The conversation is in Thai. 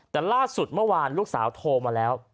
แต่ล่าสุดเมื่อวานลูกสาวโทรมาแล้ว